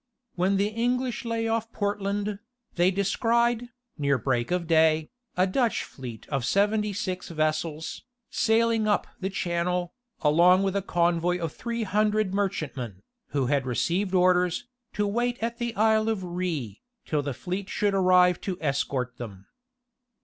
When the English lay off Portland, they descried, near break of day, a Dutch fleet of seventy six vessels, sailing up the Channel, along with a convoy of three hundred merchantmen, who had received orders, to wait at the Isle of Rhé, till the fleet should arrive to escort them.